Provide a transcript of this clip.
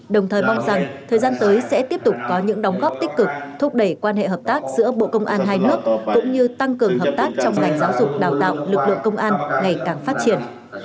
đồng thời mong rằng thời gian tới sẽ tiếp tục có những đóng góp tích cực thúc đẩy quan hệ hợp tác giữa bộ công an hai nước cũng như tăng cường hợp tác trong ngành giáo dục đào tạo lực lượng công an ngày càng phát triển